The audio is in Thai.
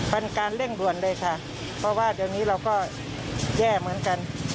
เป็นการเร่งด่วนเลยค่ะเพราะว่าเดี๋ยวนี้เราก็แย่เหมือนกัน